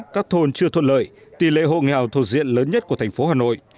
các thôn chưa thuận lợi tỷ lệ hộ nghèo thuộc diện lớn nhất của thành phố hà nội